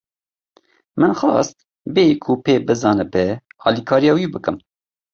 Min xwest bêyî ku pê bizanibe, alîkariya wî bikim.